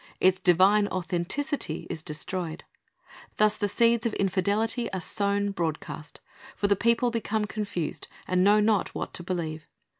Its divine authenticity is destroyed. Thus the seeds of infidelity are sown broadcast; for the people become confused, and know not what to believe.